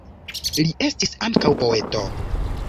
Li estis ankaŭ poeto.